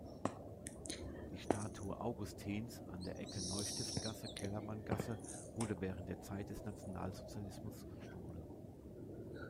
Die Statue Augustins an der Ecke Neustiftgasse-Kellermanngasse wurde während der Zeit des Nationalsozialismus gestohlen.